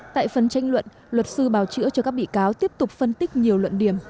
tại phần tranh luận luật sư bào chữa cho các bị cáo tiếp tục phân tích nhiều luận điểm